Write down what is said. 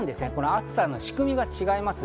暑さの仕組みが違います。